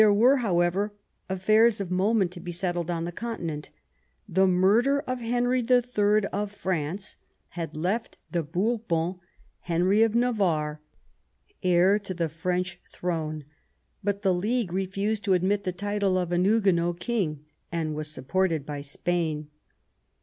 There were, however, affairs of moment to be settled on the Continent. The murder of Henry III. of France had left the Bourbon, Henry of Navarre, heir to the French throne; but the league refused to admit the title of a Huguenot King, and was supported by Spain.